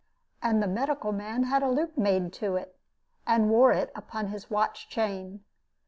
And the medical man had a loop made to it, and wore it upon his watch chain.